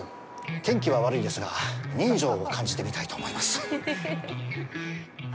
天気は悪いですが、人情を感じてみたいと思います。